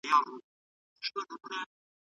ذخیره شوي غوړ د زړه خطر زیاتوي.